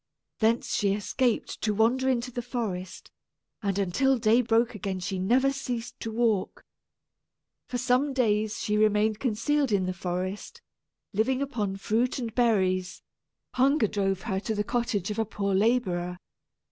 Thence she escaped to wander into the forest, and until day broke again she never ceased to walk. For some days she remained concealed in the forest, living upon fruit and berries, until at last hunger drove her to the cottage of a poor laborer.